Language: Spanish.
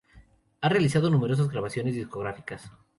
Ha realizado numerosas grabaciones discográficas.